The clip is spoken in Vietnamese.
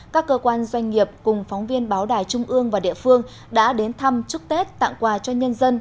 các cơ quan doanh nghiệp cùng phóng viên báo đài trung ương và địa phương đã đến thăm chúc tết tặng quà cho nhân dân